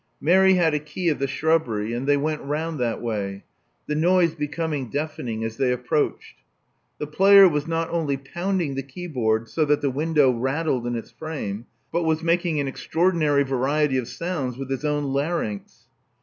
Mary had a key of the shrubbery; and they went round that way, the noise becoming deafening as they approached. The player was not only pounding the keyboard so that the window rattled in its frame, but was making an extraordinary variety of sounds with his own larynx.